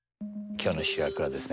きょうの主役はですね